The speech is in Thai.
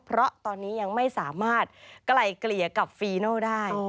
เพราะตอนนี้ยังไม่สามารถไกล่เกลี่ยกับฟีโน่ได้